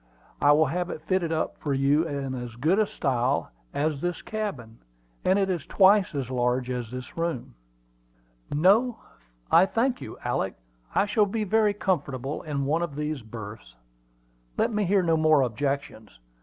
I will have it fitted up for you in as good style as this cabin; and it is twice as large as this room." "No, I thank you, Alick. I shall be very comfortable in one of these berths. Let me hear no more objections.